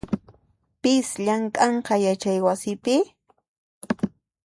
Pis llamk'anqa yachaywasipi?